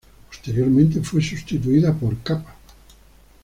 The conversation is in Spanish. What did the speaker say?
Posteriormente fue sustituida por kappa.